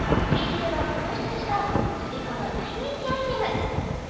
売り切れが続出したスリコの大人気アイテム